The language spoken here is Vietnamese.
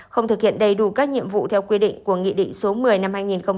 không thực hiện đầy đủ các nhiệm vụ theo quy định của nghị định số một mươi năm hai nghìn một mươi tám